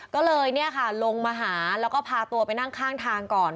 ก็เลยลงมาหาแล้วก็พาตัวไปนั่งข้างทางก่อน